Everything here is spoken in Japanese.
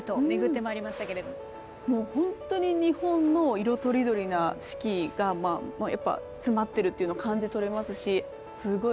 本当に日本の色とりどりな四季が詰まってるっていうのを感じ取れますしすごい